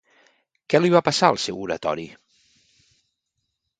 Què li va passar al seu oratori?